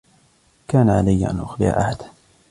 كان علي أن أخبر أحدا.